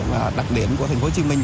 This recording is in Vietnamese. và đặc điểm của thành phố hồ chí minh